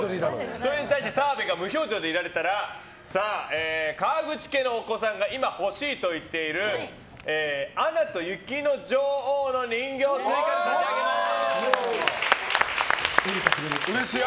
それに対して澤部が無表情でいられたら川口家のお子さんが今、欲しいと言っている「アナと雪の女王」の人形を追加で差し上げます。